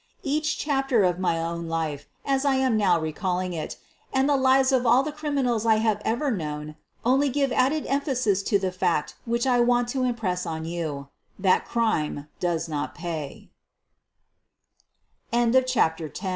Each chapter of my own life, as I am now recalling it, and the lives of all the criminals I have ever known, only give added emphasis to the fact which I want to impress on you — that ckime do